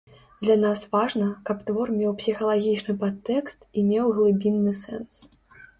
Для нас важна, каб твор меў псіхалагічны падтэкст і меў глыбінны сэнс.